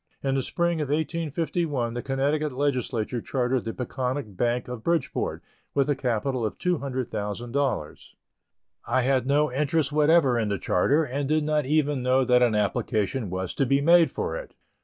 In the spring of 1851 the Connecticut Legislature chartered the Pequonnock Bank of Bridgeport, with a capital of two hundred thousand dollars. I had no interest whatever in the charter, and did not even know that an application was to be made for it.